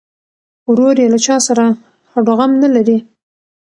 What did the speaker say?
ورور یې له چا سره هډوغم نه لري.